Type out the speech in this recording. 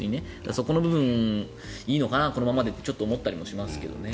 そこの部分いいのかな、このままでと思ったりしますね。